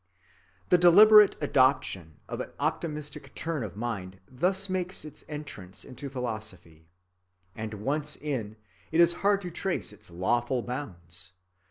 The deliberate adoption of an optimistic turn of mind thus makes its entrance into philosophy. And once in, it is hard to trace its lawful bounds.